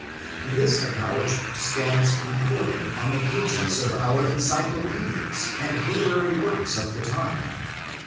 This acknowledgment stands recorded on the pages of our Encyclopaedias and literary works of the time.